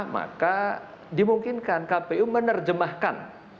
maka dimungkinkan kpu menerjemahkan